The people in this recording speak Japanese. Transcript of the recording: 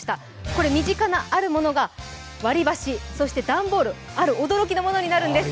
これ、身近なあるものが割り箸段ボール、ある驚きのものになるんです。